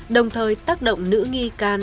đồng thời tác động nữ nghi can